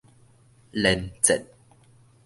連戰